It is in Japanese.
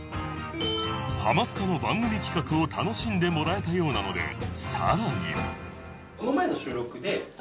『ハマスカ』の番組企画を楽しんでもらえたようなのでさらに